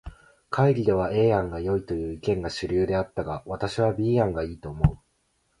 会議では A 案がよいという意見が主流であったが、私は B 案が良いと思う。